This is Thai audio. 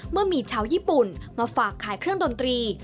เมื่อมีชาวญี่ปุ่นมาฝากขายเครื่องดนตรี